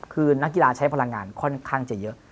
คือนักกีฬาใช้พลังงานค่อนข้างจะเยอะ